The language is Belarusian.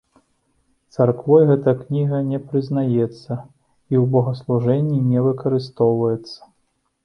Царквой гэтая кніга не прызнаецца і ў богаслужэнні не выкарыстоўваецца.